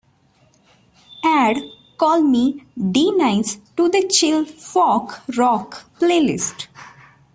Add Call Me D-Nice to the Chill Folk Rock playlist.